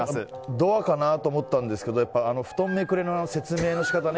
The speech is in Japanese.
ドアかなと思いましたが布団めくれの説明の仕方ね。